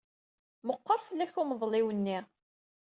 Meqqer fell-ak umḍelliw-nni.